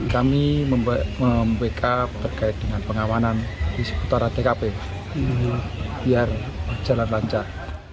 kami membeka terkait dengan pengamanan di seputar tkp biar jalan lancar